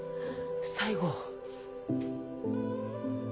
最後？